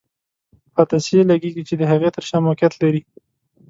په عدسیې لګیږي چې د هغې تر شا موقعیت لري.